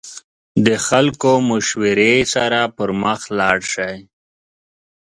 د خلکو مشورې سره پرمخ لاړ شئ.